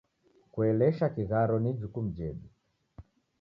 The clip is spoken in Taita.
Kuelesha kigharo ni ijukumu jedu.